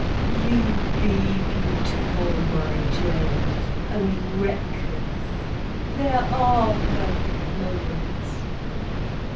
You be beautiful, my Gerald, and reckless. There are perfect moments.